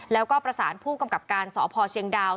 แล้วก็ประสานผู้กำกับการสพเชียงดาว